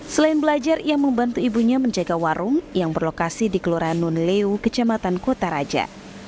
selain belajar ia membantu ibunya menjaga warung yang berlokasi di kelurahan nunleu kecamatan kota raja